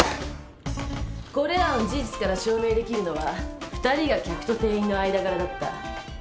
これらの事実から証明できるのは二人が客と店員の間柄だった。